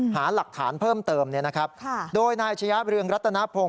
หาหลักฐานเพิ่มเติมเนี่ยนะครับโดยนายชะยะเรืองรัตนพงศ